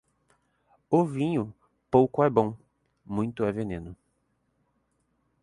O vinho, pouco é bom, muito é veneno.